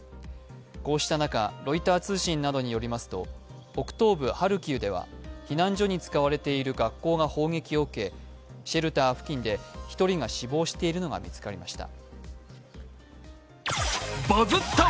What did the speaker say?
こうした中、ロイター通信などによりますと、北東部ハルキウでは避難所に使われている学校が砲撃を受けシェルター付近で１人が死亡しているのが見つかりました。